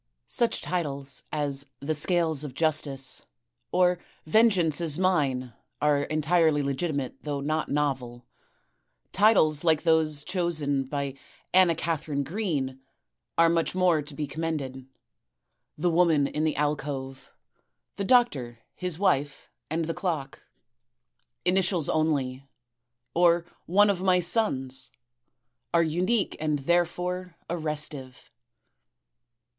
Such titles as "The Scales of Justice," or "Vengeance is Mine" are entirely legitimate, though not novel. Titles like those chosen by Anna Katharine Green are much more to be commended: "The Woman in the Alcove," "The Doctor, his Wife and the Clock," "Initials Only" or "One of my Sons," are unique and therefore arrestive.